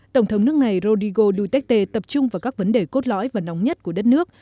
tổng thống nước này rodigo duterte tập trung vào các vấn đề cốt lõi và nóng nhất của đất nước